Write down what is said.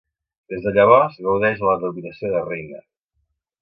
Des de llavors gaudeix de la denominació de reina.